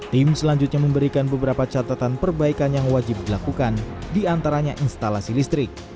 tim selanjutnya memberikan beberapa catatan perbaikan yang wajib dilakukan diantaranya instalasi listrik